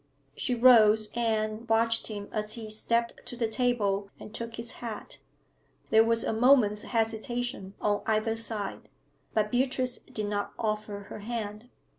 She rose and watched him as he stepped to the table and took his hat. There was a moment's hesitation on either side, but Beatrice did not offer her hand.